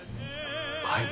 はい。